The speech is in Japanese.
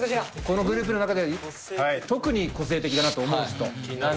このグループの中で特に個性的だなと思う人。